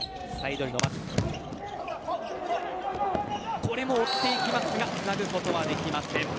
これも追っていきますがつなぐことはできません。